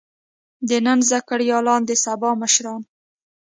د نن زده کړيالان د سبا مشران.